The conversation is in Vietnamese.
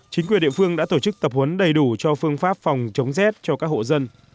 chính quyền địa phương đã tổ chức tập huấn đầy đủ cho phương pháp phòng chống rét cho các hộ dân